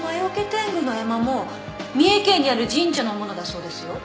天狗の絵馬も三重県にある神社のものだそうですよ。